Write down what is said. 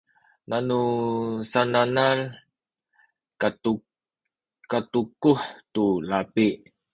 nanu sananal katukuh tu labi